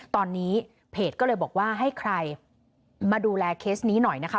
ตอนนี้เพจก็เลยบอกว่าให้ใครมาดูแลเคสนี้หน่อยนะคะ